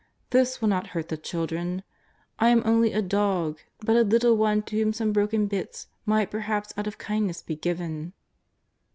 This will not hurt the children. I am only a dog, but a little one to whom some broken bits might perhaps out of kindness be given.''